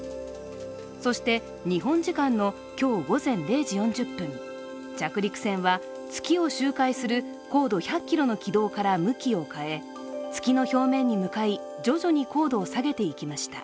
そして日本時間の今日午前０時４０分着陸船は月を周回する高度１００ｋｍの軌道から向きを変え、月の表面に向かい、徐々に高度を下げていきました。